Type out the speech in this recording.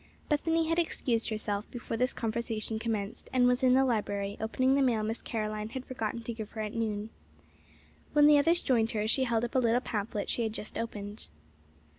Bethany had excused herself before this conversation commenced, and was in the library, opening the mail Miss Caroline had forgotten to give her at noon. When the others joined her, she held up a little pamphlet she had just opened.